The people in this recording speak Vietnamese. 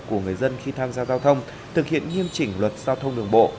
của người dân khi tham gia giao thông thực hiện nghiêm chỉnh luật giao thông đường bộ